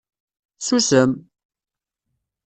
Ssusem!